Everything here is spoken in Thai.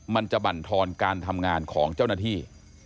มันจะบรรทอนการทำงานของเจ้าหน้าที่